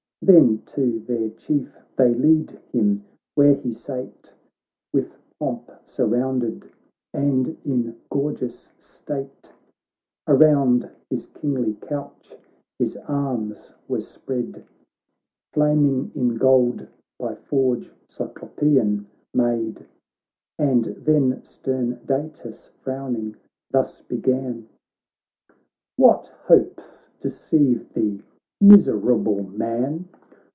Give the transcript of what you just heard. Then to their Chief they lead him, where he sate With pomp surrounded, and in gorgeous state ; Around his kingly couch his arms were spread Flaming in gold, by forge Cyclopean made. And then stern Datis, frowning, thus began : 'What hopes deceive thee, miserable man?